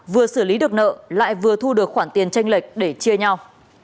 vừa xử lý được nợ lại vừa thu được khoản tiền tranh lệch để chia nhau